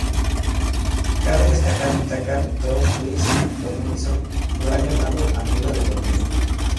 Cabe destacar que su mentor Louis Tomlinson lo ha llamado "amigo de por vida".